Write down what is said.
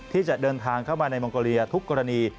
ที่จะเดินทางเข้ามาในมองโกเลียทุกกรณี